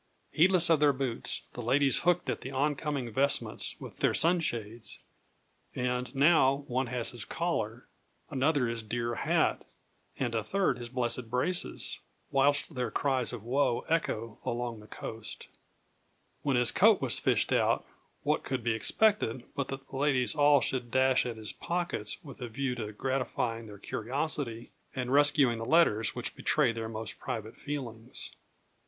Heedless of their boots, the ladies hooked at the oncoming vestments with their sunshades; and, now, one has his collar, another his dear hat, and a third his blessed braces, whilst their cries of woe echo along the coast. When his coat was fished out, what could be expected, but that the ladies all should dash at his pockets with a view to gratifying their curiosity, and rescuing the letters which betrayed their most private feelings.